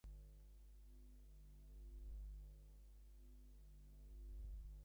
সসম্মানে সাষ্টাঙ্গ প্রণাম করিল, স্বহস্তে পা ধোয়াইয়া দিল।